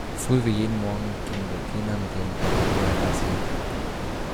Früh wie jeden Morgen ging Bettina mit ihrem Bernhardiner Gassi.